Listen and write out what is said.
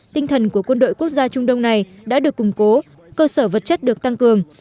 tinh thần của quân đội quốc gia trung đông này đã được củng cố cơ sở vật chất được tăng cường